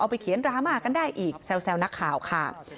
ไปเขียนดราม่ากันได้อีกแซวนักข่าวค่ะ